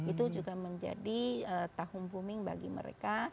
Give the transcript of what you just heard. itu juga menjadi tahun booming bagi mereka